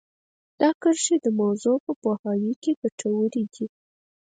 دا کرښې د موضوع په پوهاوي کې ګټورې دي